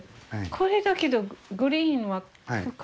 これだけどグリーンは福井で？